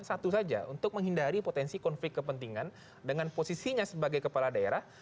satu saja untuk menghindari potensi konflik kepentingan dengan posisinya sebagai kepala daerah